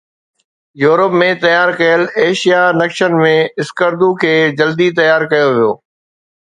Europe ۾ تيار ڪيل ايشيائي نقشن ۾ اسڪردو کي جلدي تيار ڪيو ويو